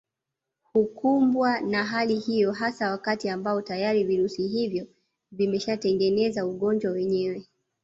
Hukumbwa na hali hiyo hasa wakati ambao tayari virusi hivyo vimeshatengeneza ugonjwa wenyewe